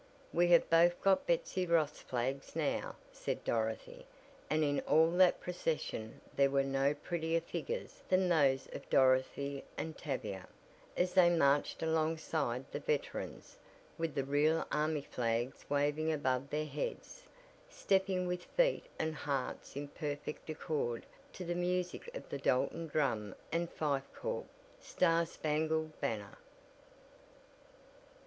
"We have both got Betsy Ross flags now," said Dorothy, and in all that procession there were no prettier figures than those of Dorothy and Tavia, as they marched alongside the veterans, with the real army flags waving above their heads, stepping with feet and hearts in perfect accord to the music of the Dalton Drum and Fife Corps' "Star Spangled Banner."